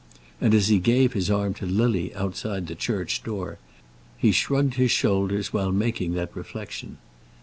And as he gave his arm to Lily outside the church door, he shrugged his shoulders while making that reflection.